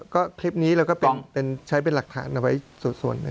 ก็คลิปนี้แล้วก็ใช้เป็นหลักฐานเอาไว้ส่วน